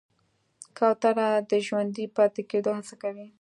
کوتره د ژوندي پاتې کېدو هڅه کوي.